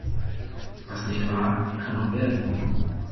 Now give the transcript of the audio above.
Was nicht war, kann noch werden.